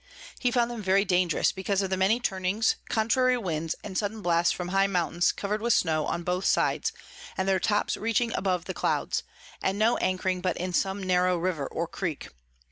He found them very dangerous, because of the many Turnings, contrary Winds, and sudden Blasts from high Mountains cover'd with Snow on both sides, and their Tops reaching above the Clouds, and no anchoring but in some narrow River or Creek.